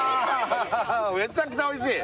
めちゃくちゃおいしい？